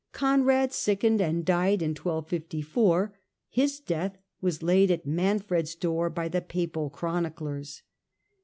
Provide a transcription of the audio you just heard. Conrad sickened and died in 1254 : his death was laid at Manfred's door by the Papal chroniclers.